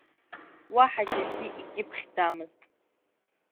Уаҳа џьаргьы икьыԥхьӡамызт.